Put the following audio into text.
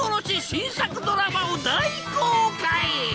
新作ドラマを大公開